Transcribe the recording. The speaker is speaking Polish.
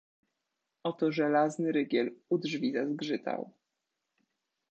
"Oto żelazny rygiel u drzwi zazgrzytał."